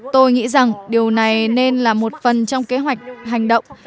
tôi nghĩ rằng điều này nên là một phần trong kế hoạch hành động